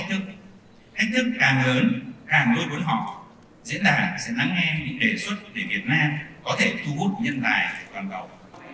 diễn đàn sẽ ngắn nghe những đề xuất để việt nam có thể thu hút nhân tài toàn cầu